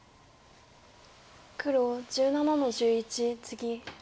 黒１７の十一ツギ。